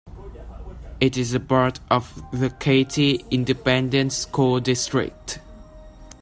It is a part of the Katy Independent School District.